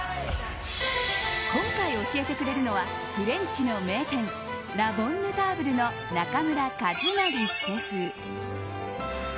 今回、教えてくれるのはフレンチの名店ラ・ボンヌターブルの中村和成シェフ。